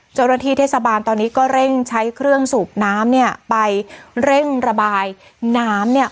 เจ้าหน้าที่เทศบาลตอนนี้ก็เร่งใช้เครื่องสูบน้ำเนี่ยไปเร่งระบายน้ำเนี่ย